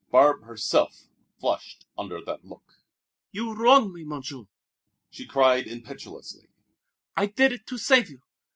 Barbe herself flushed under that look. "You wrong me, Monsieur!" she cried impetuously. "I did it to save you.